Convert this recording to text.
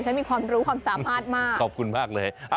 ดิฉันมีความสามารถมาก